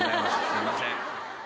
すいません。